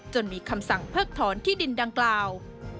มีคำสั่งเพิกถอนที่ดินดังกล่าว